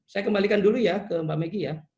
saya kembalikan dulu ya ke mbak meggy ya